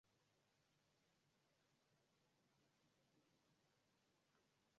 Mwaka elfu mbili na kumi hali ilikuwa tulivu sana